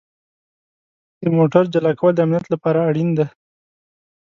د موټر جلا کول د امنیت لپاره اړین دي.